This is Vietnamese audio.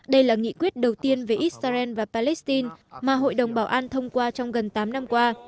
đây là nghị quyết đầu tiên về israel và palestine mà hội đồng bảo an thông qua trong gần tám năm qua